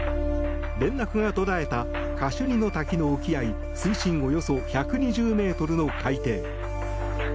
連絡が途絶えたカシュニの滝の沖合水深およそ１２０ｍの海底。